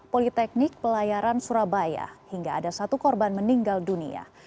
politeknik pelayaran surabaya hingga ada satu korban meninggal dunia